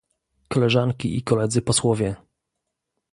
Koleżanki i koledzy posłowie!